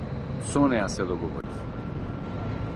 Со неа се договорив.